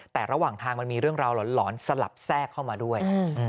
แต่ระหว่างทางมันมีเรื่องราวหลอนสลับแทรกเข้ามาด้วย